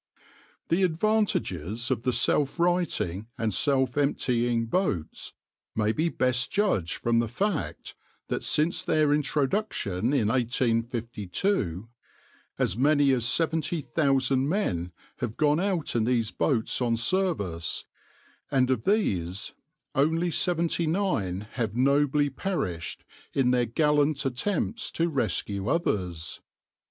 \par The advantages of the self righting and self emptying boats may be best judged from the fact, that since their introduction in 1852, as many as seventy thousand men have gone out in these boats on service, and of these only seventy nine have nobly perished in their gallant attempts to rescue others.